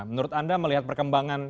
menurut anda melihat perkembangan